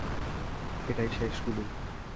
এটাই শেষ গুলি।